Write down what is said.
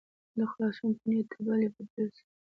د خلاصون په نیت دبلي په پیل سه.